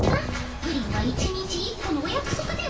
プリンは一日１このおやくそくでは？